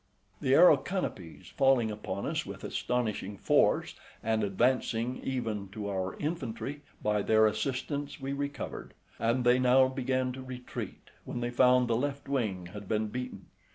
The Aeroconopes falling upon us with astonishing force, and advancing even to our infantry, by their assistance we recovered; and they now began to retreat, when they found the left wing had been beaten.